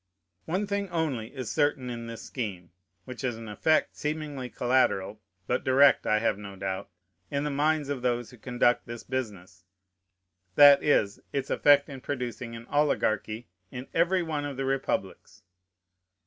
One thing only is certain in this scheme, which is an effect seemingly collateral, but direct, I have no doubt, in the minds of those who conduct this business; that is, its effect in producing an oligarchy in every one of the republics.